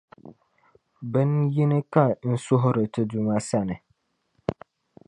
Bin’ yini ka n suhiri Ti Duuma sani.